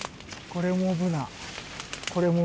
これもブナ。